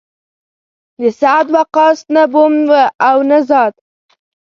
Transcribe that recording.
د سعد وقاص نه بوم و او نه زاد.